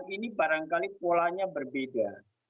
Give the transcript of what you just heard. ini barangkali polanya berbeda